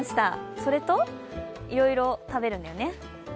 それと、いろいろ食べるんだよね。